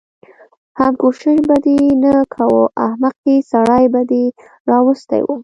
حم کوشش به دې نه کوه احمقې سړی به دې راوستی و.